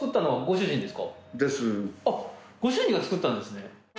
ご主人が作ったんですね。